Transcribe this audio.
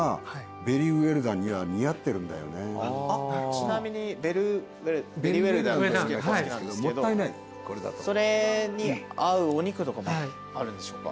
ちなみにベリーウェルダンがお好きなんですけどそれに合うお肉とかもあるんでしょうか？